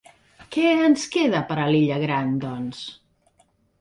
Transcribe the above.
Què ens queda per a l'Illa Gran, doncs?